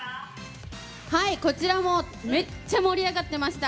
はいこちらもめっちゃ盛り上がってました。